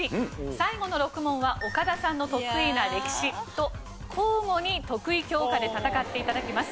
最後の６問は岡田さんの得意な歴史と交互に得意教科で戦って頂きます。